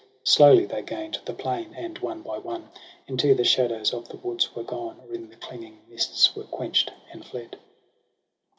Slowly they gain'd the plain, and one by one Into the shadows of the woods were gone. Or in the clinging mists were quenched and fled.